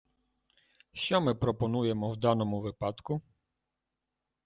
Що ми пропонуємо в даному випадку?